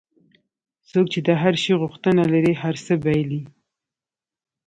څوک چې د هر شي غوښتنه لري هر څه بایلي.